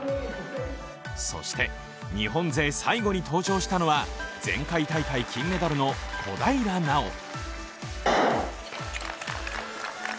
そして日本勢最後に登場したのは前回大会金メダルの小平奈緒。